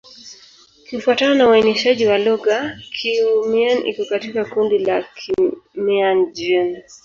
Kufuatana na uainishaji wa lugha, Kiiu-Mien iko katika kundi la Kimian-Jin.